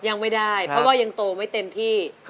เพราะว่ายังโตไม่เต็มที่